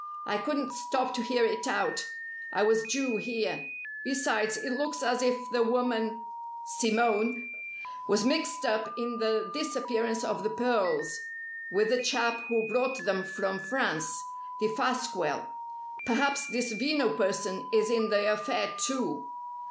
I couldn't stop to hear it out. I was due here. Besides, it looks as if the woman Simone was mixed up in the disappearance of the pearls, with the chap who brought them from France Defasquelle. Perhaps this Veno person is in the affair, too.